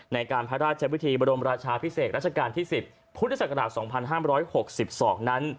ในการพระราชวิธีบรมราชาพิเศษรัชกาลที่๑๐พุทธศักราช๒๕๖๒นั้น